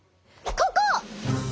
ここ！